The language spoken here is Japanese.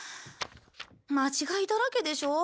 間違いだらけでしょ？